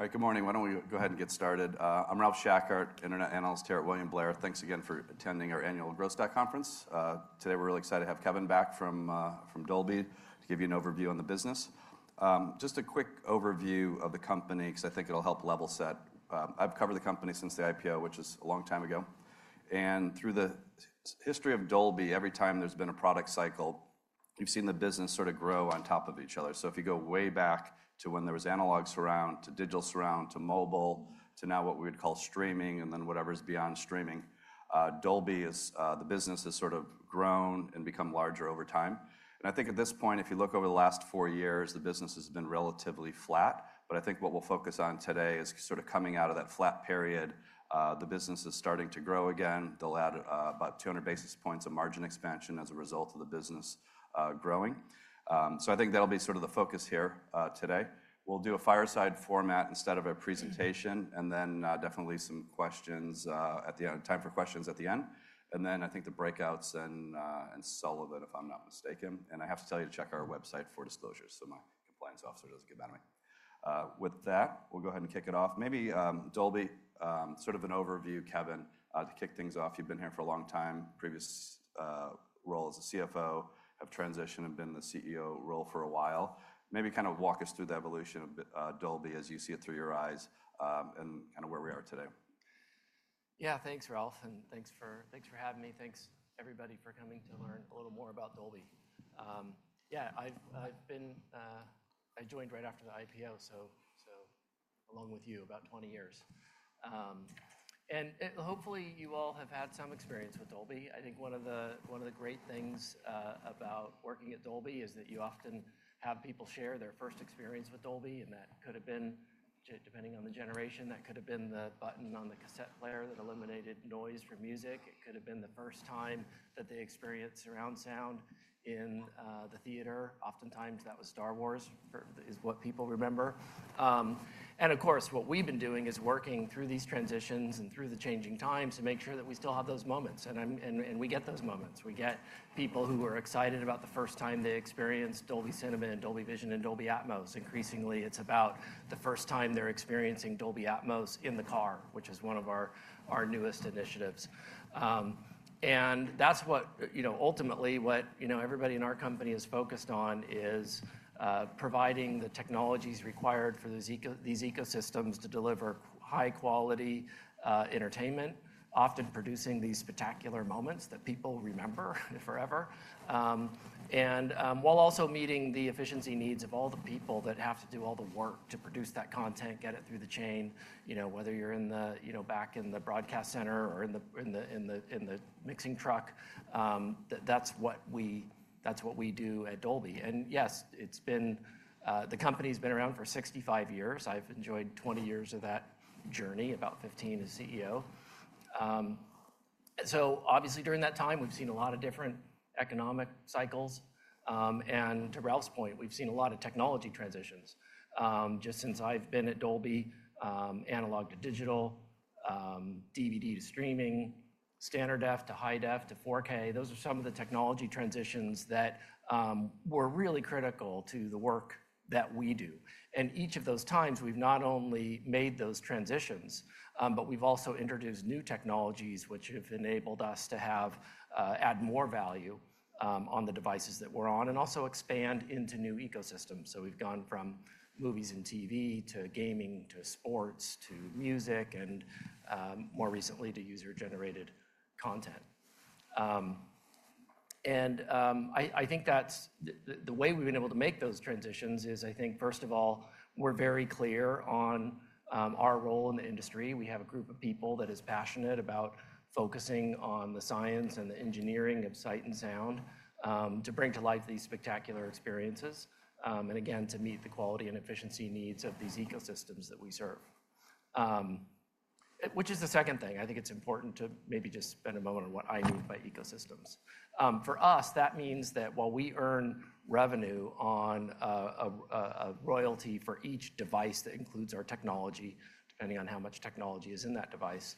All right, good morning. Why don't we go ahead and get started? I'm Ralph Schackart, Internet Analyst here at William Blair. Thanks again for attending our annual Growth Stack Conference. Today we're really excited to have Kevin back from Dolby to give you an overview on the business. Just a quick overview of the company, because I think it'll help level set. I've covered the company since the IPO, which was a long time ago. Through the history of Dolby, every time there's been a product cycle, you've seen the business sort of grow on top of each other. If you go way back to when there was analog surround, to digital surround, to mobile, to now what we would call streaming, and then whatever's beyond streaming, Dolby as the business has sort of grown and become larger over time. I think at this point, if you look over the last four years, the business has been relatively flat. I think what we'll focus on today is sort of coming out of that flat period. The business is starting to grow again. They'll add about 200 basis points of margin expansion as a result of the business growing. I think that'll be sort of the focus here today. We'll do a fireside format instead of a presentation, and then definitely some questions at the end, time for questions at the end. I think the breakouts and Sullivan, if I'm not mistaken. I have to tell you to check our website for disclosures, so my compliance officer doesn't get mad at me. With that, we'll go ahead and kick it off. Maybe Dolby, sort of an overview, Kevin, to kick things off. You've been here for a long time, previous role as a CFO, have transitioned and been in the CEO role for a while. Maybe kind of walk us through the evolution of Dolby as you see it through your eyes and kind of where we are today. Yeah, thanks, Ralph. And thanks for having me. Thanks, everybody, for coming to learn a little more about Dolby. Yeah, I joined right after the IPO, so along with you, about 20 years. Hopefully you all have had some experience with Dolby. I think one of the great things about working at Dolby is that you often have people share their first experience with Dolby. That could have been, depending on the generation, the button on the cassette player that eliminated noise for music. It could have been the first time that they experienced surround sound in the theater. Oftentimes that was Star Wars, is what people remember. Of course, what we've been doing is working through these transitions and through the changing times to make sure that we still have those moments. We get those moments. We get people who are excited about the first time they experienced Dolby Cinema and Dolby Vision and Dolby Atmos. Increasingly, it's about the first time they're experiencing Dolby Atmos in the car, which is one of our newest initiatives. That's what, ultimately, what everybody in our company is focused on is providing the technologies required for these ecosystems to deliver high-quality entertainment, often producing these spectacular moments that people remember forever. While also meeting the efficiency needs of all the people that have to do all the work to produce that content, get it through the chain, whether you're back in the broadcast center or in the mixing truck, that's what we do at Dolby. Yes, the company's been around for 65 years. I've enjoyed 20 years of that journey, about 15 as CEO. Obviously during that time, we've seen a lot of different economic cycles. To Ralph's point, we've seen a lot of technology transitions. Just since I've been at Dolby, analog to digital, DVD to streaming, standard F to high def to 4K. Those are some of the technology transitions that were really critical to the work that we do. Each of those times, we've not only made those transitions, but we've also introduced new technologies, which have enabled us to add more value on the devices that we're on and also expand into new ecosystems. We've gone from movies and TV to gaming to sports to music, and more recently to user-generated content. I think that's the way we've been able to make those transitions is, I think, first of all, we're very clear on our role in the industry. We have a group of people that is passionate about focusing on the science and the engineering of sight and sound to bring to life these spectacular experiences. Again, to meet the quality and efficiency needs of these ecosystems that we serve. Which is the second thing. I think it's important to maybe just spend a moment on what I mean by ecosystems. For us, that means that while we earn revenue on a royalty for each device that includes our technology, depending on how much technology is in that device,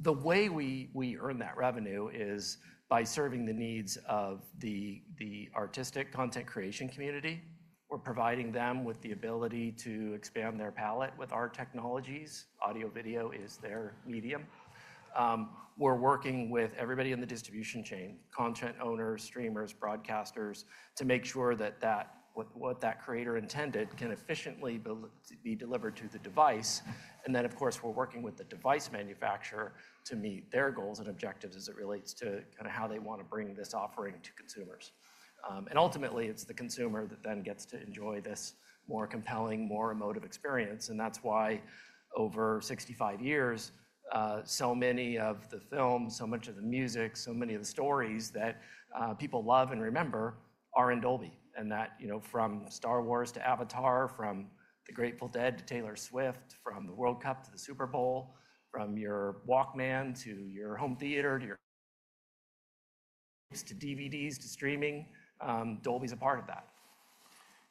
the way we earn that revenue is by serving the needs of the artistic content creation community. We're providing them with the ability to expand their palette with our technologies. Audio video is their medium. We're working with everybody in the distribution chain, content owners, streamers, broadcasters, to make sure that what that creator intended can efficiently be delivered to the device. We're working with the device manufacturer to meet their goals and objectives as it relates to kind of how they want to bring this offering to consumers. Ultimately, it's the consumer that then gets to enjoy this more compelling, more emotive experience. That's why over 65 years, so many of the films, so much of the music, so many of the stories that people love and remember are in Dolby. From Star Wars to Avatar, from The Grateful Dead to Taylor Swift, from the World Cup to the Super Bowl, from your Walkman to your home theater to your DVDs to streaming, Dolby's a part of that.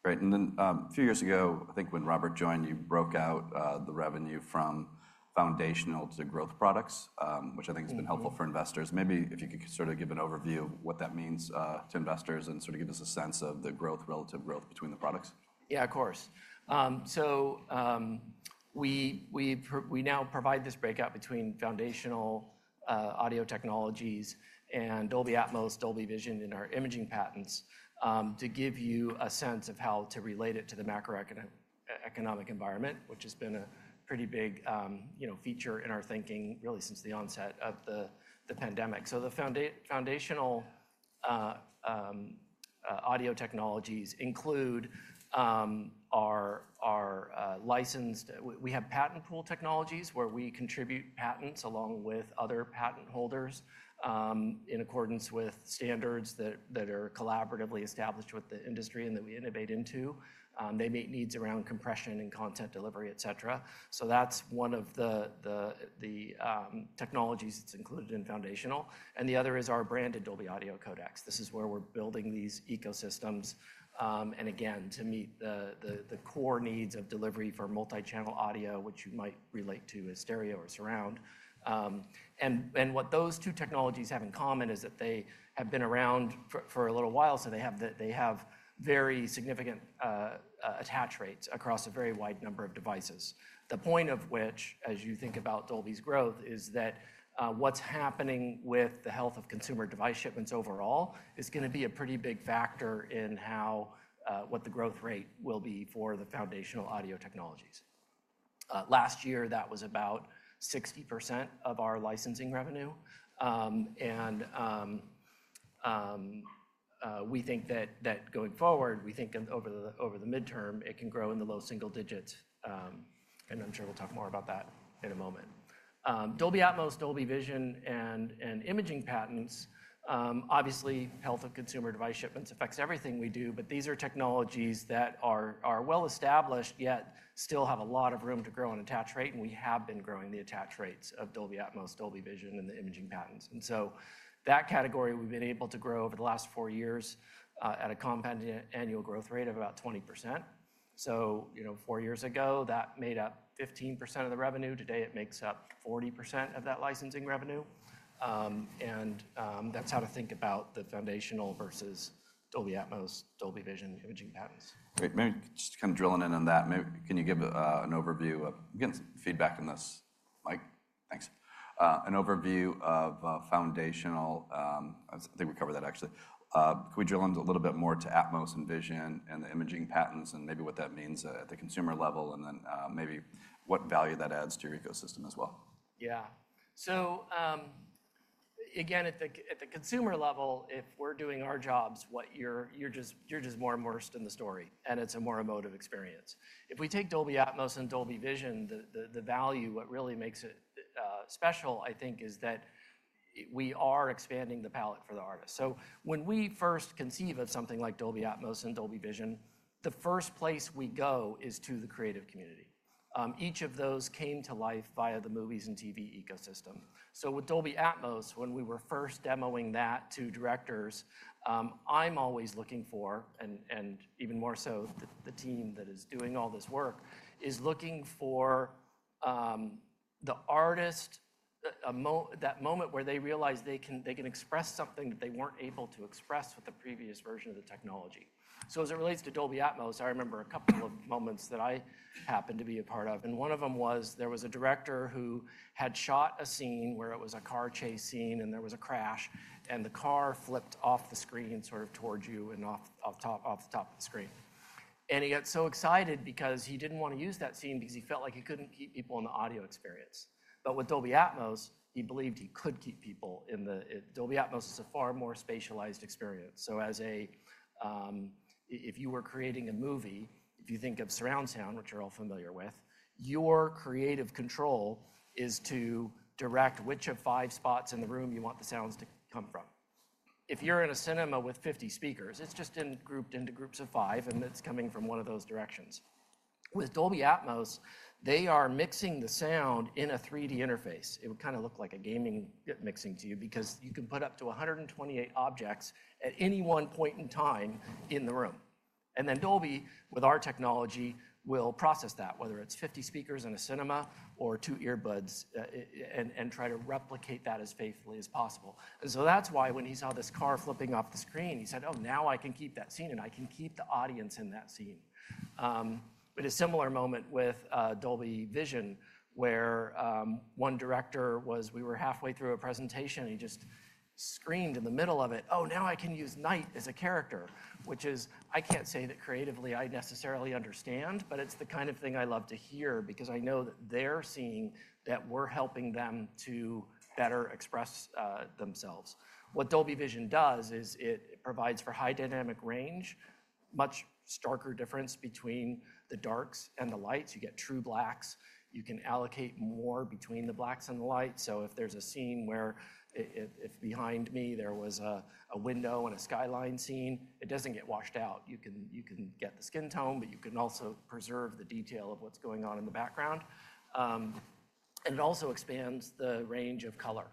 Right. A few years ago, I think when Robert joined, you broke out the revenue from foundational to growth products, which I think has been helpful for investors. Maybe if you could sort of give an overview of what that means to investors and sort of give us a sense of the relative growth between the products. Yeah, of course. We now provide this breakout between foundational audio technologies and Dolby Atmos, Dolby Vision, and our imaging patents to give you a sense of how to relate it to the macroeconomic environment, which has been a pretty big feature in our thinking, really, since the onset of the pandemic. The foundational audio technologies include our licensed—we have patent pool technologies where we contribute patents along with other patent holders in accordance with standards that are collaboratively established with the industry and that we innovate into. They meet needs around compression and content delivery, et cetera. That is one of the technologies that is included in foundational. The other is our branded Dolby Audio Codecs. This is where we are building these ecosystems, again to meet the core needs of delivery for multichannel audio, which you might relate to as stereo or surround. What those two technologies have in common is that they have been around for a little while, so they have very significant attach rates across a very wide number of devices. The point of which, as you think about Dolby's growth, is that what's happening with the health of consumer device shipments overall is going to be a pretty big factor in what the growth rate will be for the foundational audio technologies. Last year, that was about 60% of our licensing revenue. We think that going forward, we think over the midterm, it can grow in the low single-digits. I'm sure we'll talk more about that in a moment. Dolby Atmos, Dolby Vision, and imaging patents, obviously, health of consumer device shipments affects everything we do. These are technologies that are well established, yet still have a lot of room to grow in attach rate. We have been growing the attach rates of Dolby Atmos, Dolby Vision, and the imaging patents. That category, we've been able to grow over the last four years at a compound annual growth rate of about 20%. Four years ago, that made up 15% of the revenue. Today, it makes up 40% of that licensing revenue. That's how to think about the foundational versus Dolby Atmos, Dolby Vision, imaging patents. Great. Just kind of drilling in on that, can you give an overview of getting some feedback on this? Thanks. An overview of foundational, I think we covered that, actually. Can we drill in a little bit more to Atmos and Vision and the imaging patents and maybe what that means at the consumer level and then maybe what value that adds to your ecosystem as well? Yeah. Again, at the consumer level, if we're doing our jobs, you're just more immersed in the story. It's a more emotive experience. If we take Dolby Atmos and Dolby Vision, the value, what really makes it special, I think, is that we are expanding the palette for the artist. When we first conceive of something like Dolby Atmos and Dolby Vision, the first place we go is to the creative community. Each of those came to life via the movies and TV ecosystem. With Dolby Atmos, when we were first demoing that to directors, I'm always looking for, and even more so the team that is doing all this work is looking for, the artist, that moment where they realize they can express something that they weren't able to express with the previous version of the technology. As it relates to Dolby Atmos, I remember a couple of moments that I happened to be a part of. One of them was there was a director who had shot a scene where it was a car chase scene and there was a crash. The car flipped off the screen sort of towards you and off the top of the screen. He got so excited because he did not want to use that scene because he felt like he could not keep people in the audio experience. With Dolby Atmos, he believed he could keep people in. Dolby Atmos is a far more spatialized experience. If you were creating a movie, if you think of surround sound, which you are all familiar with, your creative control is to direct which of five spots in the room you want the sounds to come from. If you're in a cinema with 50 speakers, it's just grouped into groups of five, and it's coming from one of those directions. With Dolby Atmos, they are mixing the sound in a 3D interface. It would kind of look like a gaming mixing to you because you can put up to 128 objects at any one point in time in the room. Then Dolby, with our technology, will process that, whether it's 50 speakers in a cinema or two earbuds, and try to replicate that as faithfully as possible. That is why when he saw this car flipping off the screen, he said, "Oh, now I can keep that scene and I can keep the audience in that scene." It is a similar moment with Dolby Vision where one director was, we were halfway through a presentation. He just screamed in the middle of it, "Oh, now I can use night as a character," which is I can't say that creatively I necessarily understand, but it's the kind of thing I love to hear because I know that they're seeing that we're helping them to better express themselves. What Dolby Vision does is it provides for high dynamic range, much starker difference between the darks and the lights. You get true blacks. You can allocate more between the blacks and the lights. If there's a scene where if behind me there was a window and a skyline scene, it doesn't get washed out. You can get the skin tone, but you can also preserve the detail of what's going on in the background. It also expands the range of color.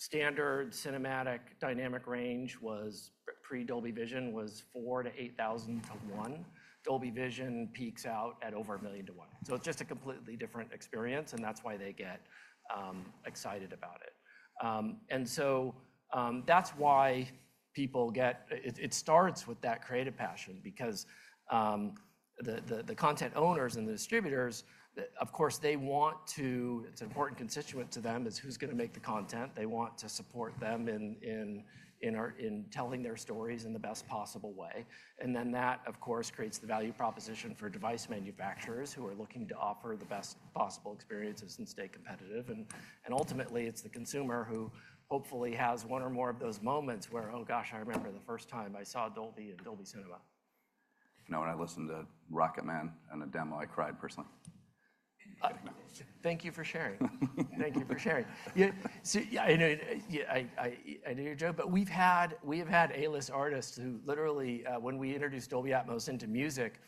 Standard cinematic dynamic range pre-Dolby Vision was 4,000-8,000 to 1. Dolby Vision peaks out at over a million to 1. It is just a completely different experience, and that is why they get excited about it. That is why people get it starts with that creative passion because the content owners and the distributors, of course, they want to it is an important constituent to them is who is going to make the content. They want to support them in telling their stories in the best possible way. That, of course, creates the value proposition for device manufacturers who are looking to offer the best possible experiences and stay competitive. Ultimately, it is the consumer who hopefully has one or more of those moments where, "Oh gosh, I remember the first time I saw Dolby in Dolby Cinema. Now when I listen to Rocket Man in a demo, I cried personally. Thank you for sharing. I know your joke, but we've had A-list artists who literally, when we introduced Dolby Atmos into music,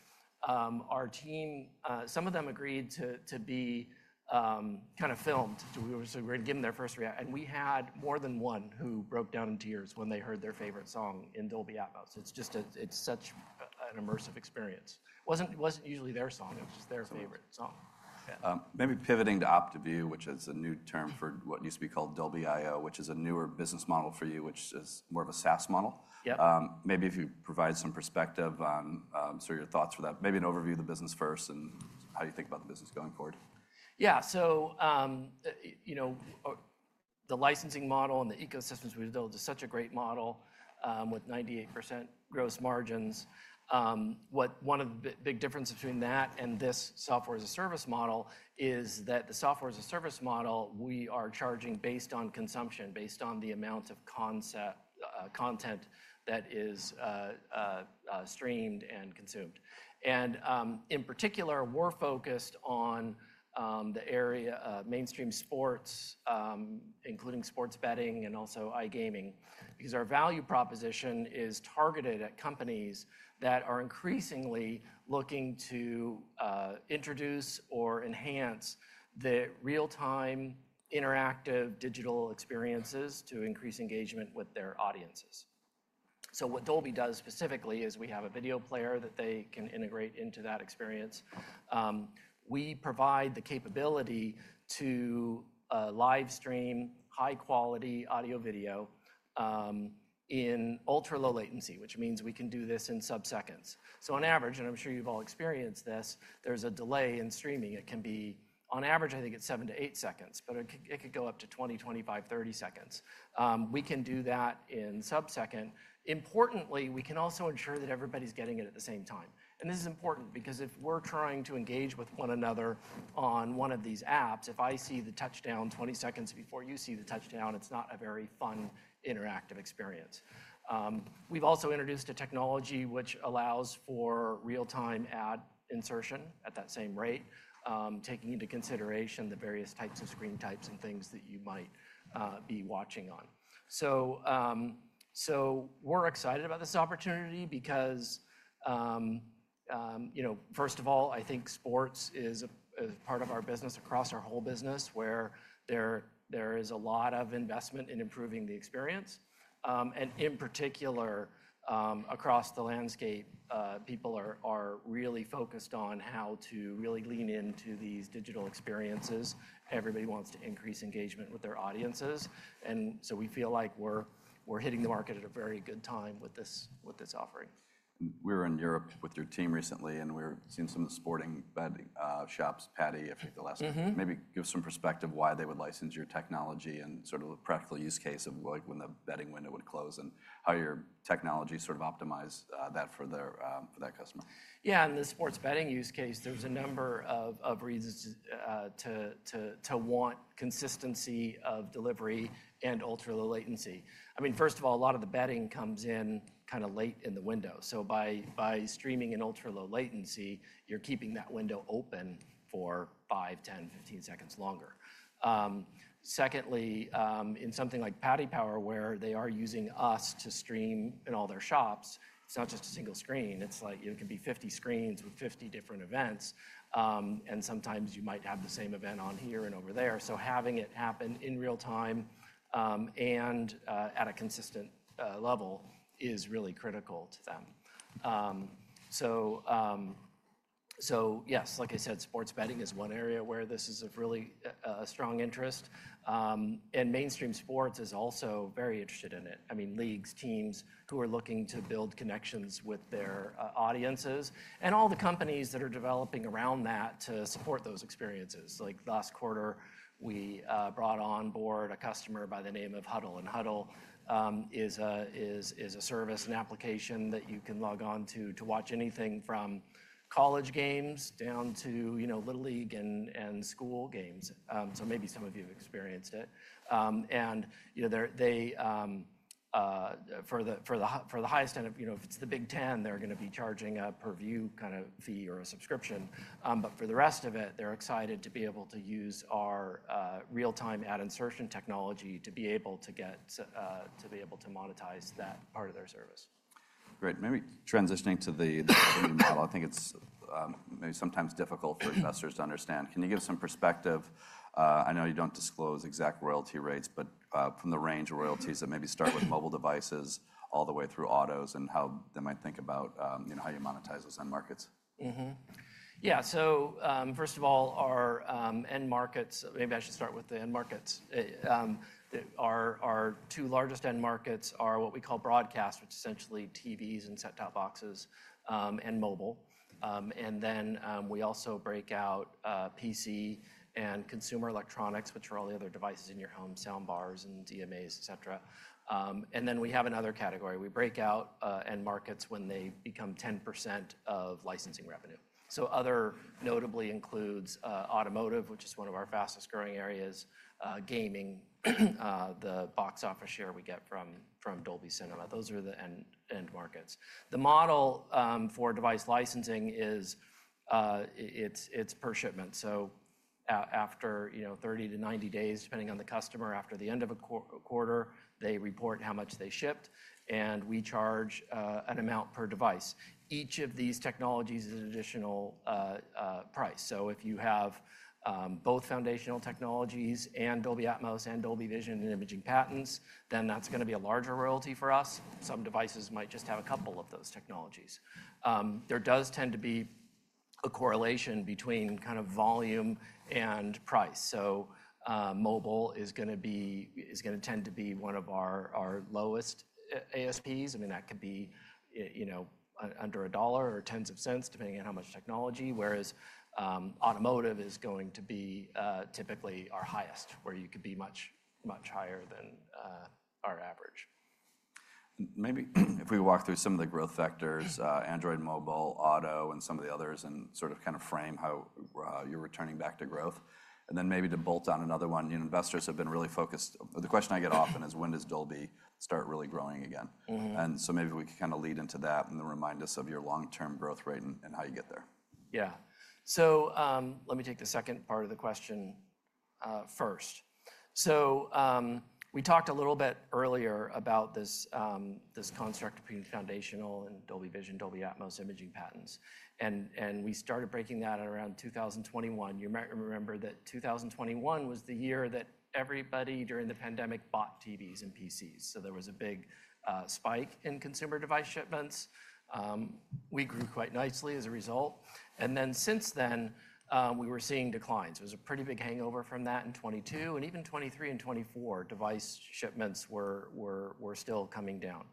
our team, some of them agreed to be kind of filmed. We were going to give them their first reaction. We had more than one who broke down in tears when they heard their favorite song in Dolby Atmos. It's such an immersive experience. It wasn't usually their song. It was just their favorite song. Maybe pivoting to OptiView, which is a new term for what used to be called Dolby I/O, which is a newer business model for you, which is more of a SaaS model. Maybe if you provide some perspective on sort of your thoughts for that, maybe an overview of the business first and how you think about the business going forward. Yeah. The licensing model and the ecosystems we've built is such a great model with 98% gross margins. One of the big differences between that and this software as a service model is that the software as a service model, we are charging based on consumption, based on the amount of content that is streamed and consumed. In particular, we're focused on the area of mainstream sports, including sports betting and also iGaming, because our value proposition is targeted at companies that are increasingly looking to introduce or enhance the real-time interactive digital experiences to increase engagement with their audiences. What Dolby does specifically is we have a video player that they can integrate into that experience. We provide the capability to livestream high-quality audio video in ultra-low latency, which means we can do this in sub-seconds. On average, and I'm sure you've all experienced this, there's a delay in streaming. It can be, on average, I think it's 7-8 seconds, but it could go up to 20, 25, 30 seconds. We can do that in sub-second. Importantly, we can also ensure that everybody's getting it at the same time. This is important because if we're trying to engage with one another on one of these apps, if I see the touchdown 20 seconds before you see the touchdown, it's not a very fun interactive experience. We've also introduced a technology which allows for real-time ad insertion at that same rate, taking into consideration the various types of screen types and things that you might be watching on. We're excited about this opportunity because, first of all, I think sports is part of our business across our whole business where there is a lot of investment in improving the experience. In particular, across the landscape, people are really focused on how to really lean into these digital experiences. Everybody wants to increase engagement with their audiences. We feel like we're hitting the market at a very good time with this offering. We were in Europe with your team recently, and we were seeing some of the sports betting shops Paddy the last night. Maybe give us some perspective why they would license your technology and sort of the practical use case of when the betting window would close and how your technology sort of optimizes that for that customer. Yeah. In the sports betting use case, there's a number of reasons to want consistency of delivery and ultra-low latency. I mean, first of all, a lot of the betting comes in kind of late in the window. By streaming in ultra-low latency, you're keeping that window open for 5, 10, 15 seconds longer. Secondly, in something like Paddy Power, where they are using us to stream in all their shops, it's not just a single screen. It can be 50 screens with 50 different events. Sometimes you might have the same event on here and over there. Having it happen in real time and at a consistent level is really critical to them. Yes, like I said, sports betting is one area where this is of really strong interest. Mainstream sports is also very interested in it. I mean, leagues, teams who are looking to build connections with their audiences and all the companies that are developing around that to support those experiences. Like last quarter, we brought on board a customer by the name of Huddle. And Huddle is a service and application that you can log on to watch anything from college games down to Little League and school games. So maybe some of you have experienced it. And for the highest end, if it's the Big 10, they're going to be charging a per view kind of fee or a subscription. For the rest of it, they're excited to be able to use our real-time ad insertion technology to be able to monetize that part of their service. Great. Maybe transitioning to the betting model, I think it's maybe sometimes difficult for investors to understand. Can you give some perspective? I know you don't disclose exact royalty rates, but from the range of royalties that maybe start with mobile devices all the way through autos and how they might think about how you monetize those end markets. Yeah. First of all, our end markets, maybe I should start with the end markets. Our two largest end markets are what we call broadcast, which is essentially TVs and set-top boxes, and mobile. We also break out PC and consumer electronics, which are all the other devices in your home, soundbars and DMAs, et cetera. We have another category. We break out end markets when they become 10% of licensing revenue. Other notably includes automotive, which is one of our fastest growing areas, gaming, the box office share we get from Dolby Cinema. Those are the end markets. The model for device licensing is it's per shipment. After 30-90 days, depending on the customer, after the end of a quarter, they report how much they shipped. We charge an amount per device. Each of these technologies is an additional price. If you have both foundational technologies and Dolby Atmos and Dolby Vision and imaging patents, then that is going to be a larger royalty for us. Some devices might just have a couple of those technologies. There does tend to be a correlation between kind of volume and price. Mobile is going to tend to be one of our lowest ASPs. I mean, that could be under $1 or tens of cents, depending on how much technology, whereas automotive is going to be typically our highest, where you could be much, much higher than our average. Maybe if we walk through some of the growth factors, Android, mobile, auto, and some of the others and sort of kind of frame how you're returning back to growth. Maybe to bolt on another one, investors have been really focused. The question I get often is, when does Dolby start really growing again? Maybe we can kind of lead into that and remind us of your long-term growth rate and how you get there. Yeah. Let me take the second part of the question first. We talked a little bit earlier about this construct between foundational and Dolby Vision, Dolby Atmos, imaging patents. We started breaking that at around 2021. You might remember that 2021 was the year that everybody during the pandemic bought TVs and PCs. There was a big spike in consumer device shipments. We grew quite nicely as a result. Since then, we were seeing declines. It was a pretty big hangover from that in 2022. Even 2023 and 2024, device shipments were still coming down.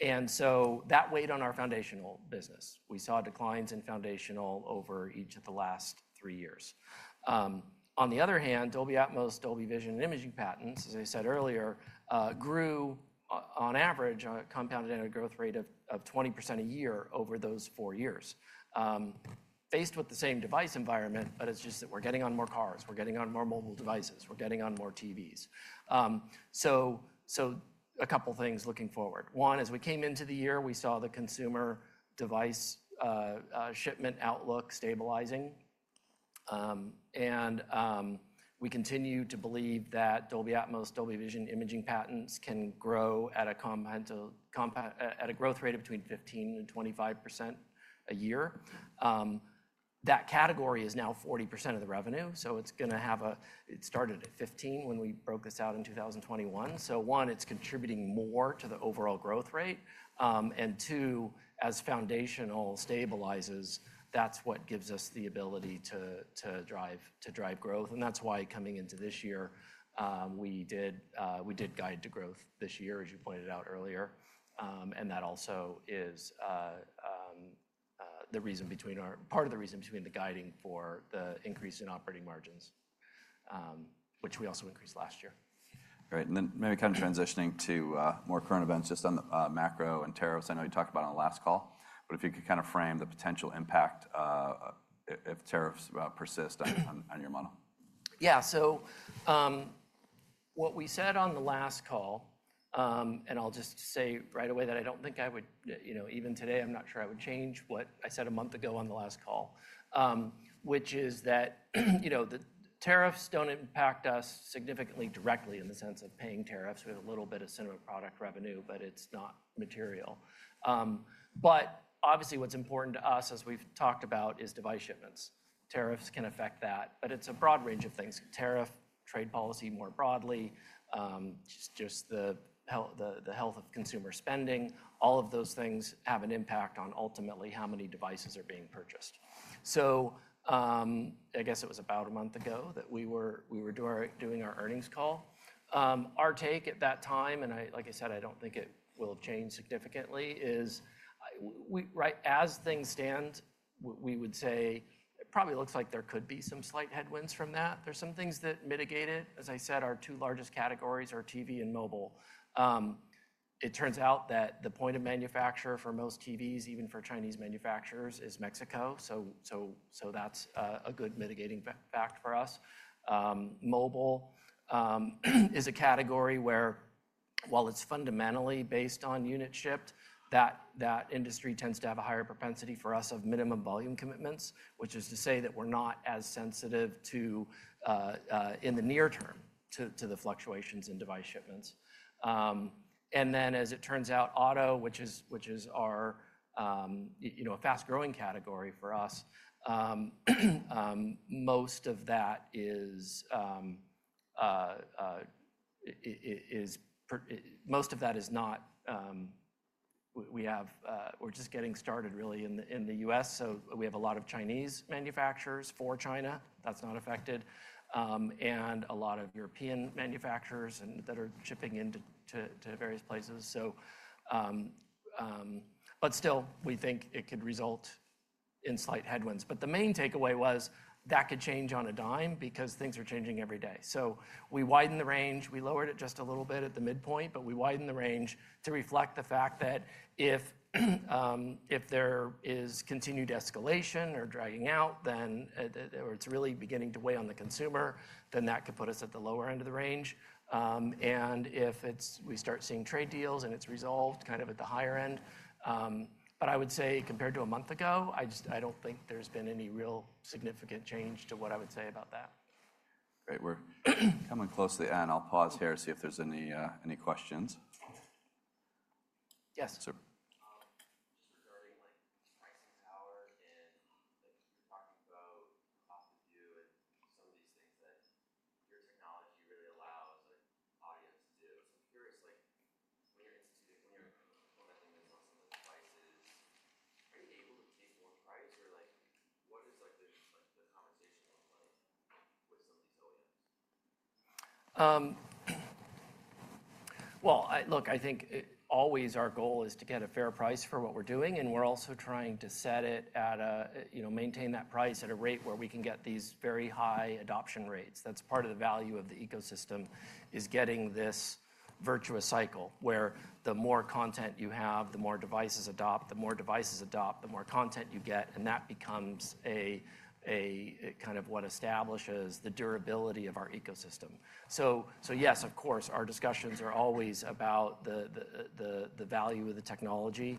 That weighed on our foundational business. We saw declines in foundational over each of the last three years. On the other hand, Dolby Atmos, Dolby Vision, and imaging patents, as I said earlier, grew on average a compounded annual growth rate of 20% a year over those four years, based with the same device environment, but it's just that we're getting on more cars. We're getting on more mobile devices. We're getting on more TVs. A couple of things looking forward. One is we came into the year, we saw the consumer device shipment outlook stabilizing. We continue to believe that Dolby Atmos, Dolby Vision, imaging patents can grow at a growth rate of between 15% and 25% a year. That category is now 40% of the revenue. It's going to have a it started at 15% when we broke this out in 2021. One, it's contributing more to the overall growth rate. Two, as foundational stabilizes, that's what gives us the ability to drive growth. That is why coming into this year, we did guide to growth this year, as you pointed out earlier. That also is the reason, part of the reason, between the guiding for the increase in operating margins, which we also increased last year. All right. Maybe kind of transitioning to more current events, just on the macro and tariffs. I know you talked about it on the last call, but if you could kind of frame the potential impact if tariffs persist on your model. Yeah. So what we said on the last call, and I'll just say right away that I don't think I would even today, I'm not sure I would change what I said a month ago on the last call, which is that the tariffs don't impact us significantly directly in the sense of paying tariffs. We have a little bit of cinema product revenue, but it's not material. Obviously, what's important to us, as we've talked about, is device shipments. Tariffs can affect that, but it's a broad range of things. Tariff, trade policy more broadly, just the health of consumer spending, all of those things have an impact on ultimately how many devices are being purchased. I guess it was about a month ago that we were doing our earnings call. Our take at that time, and like I said, I don't think it will change significantly, is as things stand, we would say it probably looks like there could be some slight headwinds from that. There are some things that mitigate it. As I said, our two largest categories are TV and mobile. It turns out that the point of manufacture for most TVs, even for Chinese manufacturers, is Mexico. That is a good mitigating factor for us. Mobile is a category where, while it's fundamentally based on units shipped, that industry tends to have a higher propensity for us of minimum volume commitments, which is to say that we're not as sensitive in the near term to the fluctuations in device shipments. As it turns out, auto, which is our fast-growing category for us, most of that is not—we're just getting started really in the U.S. We have a lot of Chinese manufacturers for China. That's not affected. A lot of European manufacturers are shipping into various places. We think it could result in slight headwinds. The main takeaway was that could change on a dime because things are changing every day. We widened the range. We lowered it just a little bit at the midpoint, but we widened the range to reflect the fact that if there is continued escalation or dragging out, then it's really beginning to weigh on the consumer, then that could put us at the lower end of the range. If we start seeing trade deals and it's resolved kind of at the higher end. I would say compared to a month ago, I don't think there's been any real significant change to what I would say about that. Great. We're coming close to the end. I'll pause here to see if there's any questions. Yes. Sir. Just regarding pricing power and you're talking about cost of view and some of these things that your technology really allows audiences to do. I'm curious, when you're implementing this on some of the devices, are you able to pay more price? Or what does the conversation look like with some of these OEMs? I think always our goal is to get a fair price for what we're doing. We are also trying to set it and maintain that price at a rate where we can get these very high adoption rates. That is part of the value of the ecosystem, getting this virtuous cycle where the more content you have, the more devices adopt, the more devices adopt, the more content you get. That becomes what establishes the durability of our ecosystem. Yes, of course, our discussions are always about the value of the technology.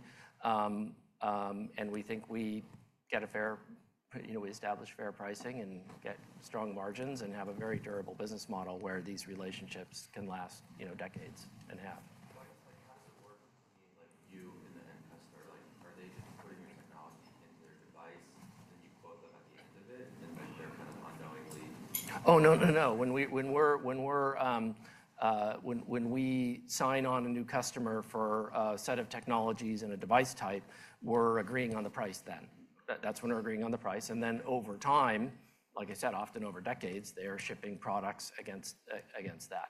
We think we establish fair pricing and get strong margins and have a very durable business model where these relationships can last decades and a half. I guess how does it work between you and the end customer? Are they just putting your technology into their device and then you quote them at the end of it? And then they're kind of unknowingly. Oh, no, no, no. When we sign on a new customer for a set of technologies and a device type, we're agreeing on the price then. That's when we're agreeing on the price. Over time, like I said, often over decades, they are shipping products against that.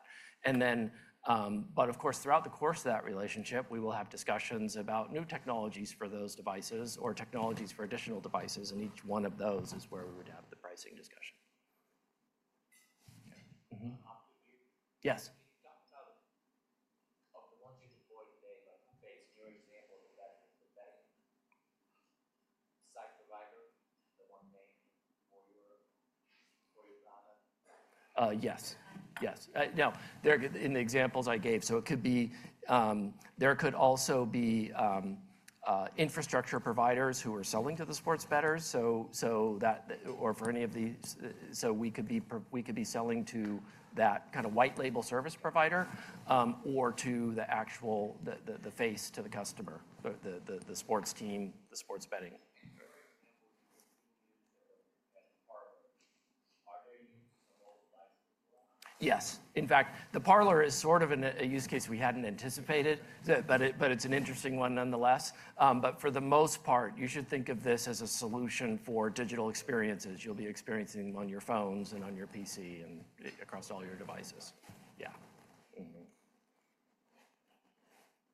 Of course, throughout the course of that relationship, we will have discussions about new technologies for those devices or technologies for additional devices. Each one of those is where we would have the pricing discussion. Can you talk about the ones you deploy today? Your example of the betting site provider, the one named for your product. Yes. Yes. Now, in the examples I gave, it could be there could also be infrastructure providers who are selling to the sports bettors. For any of these, we could be selling to that kind of white label service provider or to the face to the customer, the sports team, the sports betting. Are there any partners? Are there any mobile devices for that? Yes. In fact, the parlor is sort of a use case we hadn't anticipated, but it's an interesting one nonetheless. For the most part, you should think of this as a solution for digital experiences. You'll be experiencing them on your phones and on your PC and across all your devices. Yeah.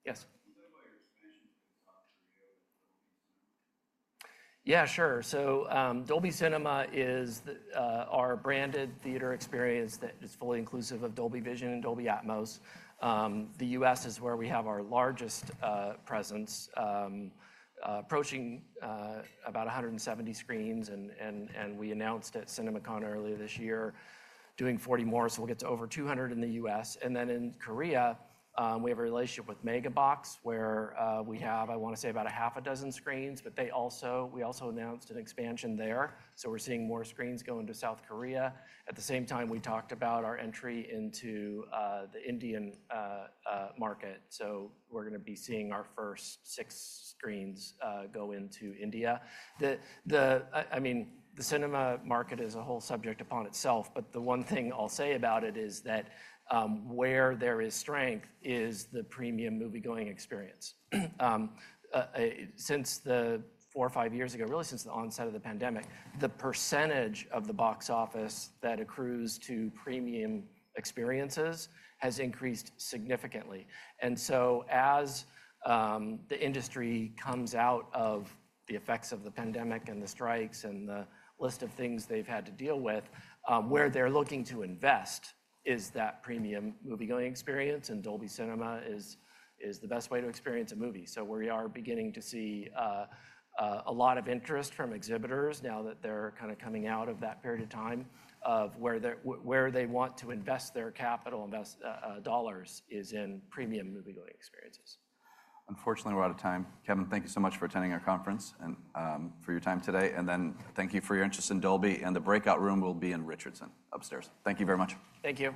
Yes. Can you talk about your expansion to the top three of Dolby Cinema? Yeah, sure. Dolby Cinema is our branded theater experience that is fully inclusive of Dolby Vision and Dolby Atmos. The U.S. is where we have our largest presence, approaching about 170 screens. We announced at CinemaCon earlier this year doing 40 more. We will get to over 200 in the U.S. In Korea, we have a relationship with Megabox where we have, I want to say, about half a dozen screens. We also announced an expansion there. We are seeing more screens go into South Korea. At the same time, we talked about our entry into the Indian market. We are going to be seeing our first six screens go into India. I mean, the cinema market is a whole subject upon itself. The one thing I will say about it is that where there is strength is the premium movie-going experience. Since four or five years ago, really since the onset of the pandemic, the percentage of the box office that accrues to premium experiences has increased significantly. As the industry comes out of the effects of the pandemic and the strikes and the list of things they've had to deal with, where they're looking to invest is that premium movie-going experience. Dolby Cinema is the best way to experience a movie. We are beginning to see a lot of interest from exhibitors now that they're kind of coming out of that period of time of where they want to invest their capital dollars is in premium movie-going experiences. Unfortunately, we're out of time. Kevin, thank you so much for attending our conference and for your time today. Thank you for your interest in Dolby. The breakout room will be in Richardson upstairs. Thank you very much. Thank you.